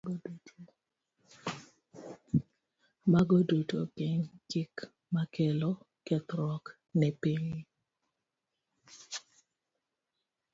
Mago duto gin gik makelo kethruok ne piny.